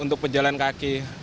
untuk pejalan kaki